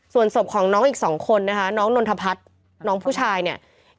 ส่วนศพของน้องอีก๒คนนะคะน้องนนทพัฒน์น้องผู้ชายเนี่ย